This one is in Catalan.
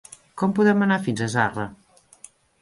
Com podem anar fins a Zarra?